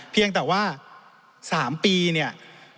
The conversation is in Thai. เพียงแต่ว่า๓ปีเนี่ย